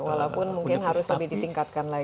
walaupun mungkin harus lebih ditingkatkan lagi